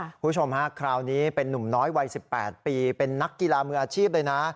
คุณผู้ชมฮะคราวนี้เป็นนุ่มน้อยวัย๑๘ปีเป็นนักกีฬามืออาชีพเลยนะ